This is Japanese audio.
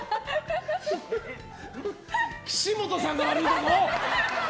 岸本さんが悪いだろ！